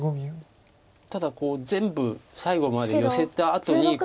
ただこう全部最後までヨセたあとに。